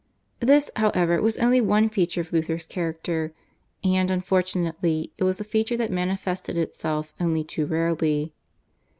This, however, was only one feature of Luther's character, and, unfortunately, it was a feature that manifested itself only too rarely.